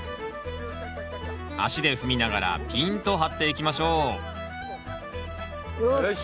足で踏みながらピーンと張っていきましょうよし。